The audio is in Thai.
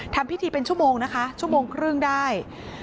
ทำพิธีเป็นชั่วโมงนะคะชั่วโมงครึ่งได้